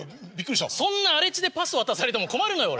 そんな荒れ地でパス渡されても困るのよ俺。